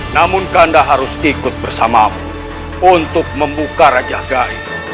namun kanda harus ikut bersamamu untuk membuka raja gai